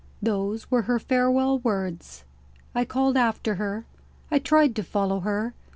Those were her farewell words. I called after her. I tried to follow her.